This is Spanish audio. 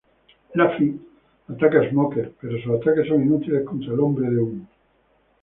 Luffy ataca a Smoker pero sus ataques son inútiles contra el hombre de humo.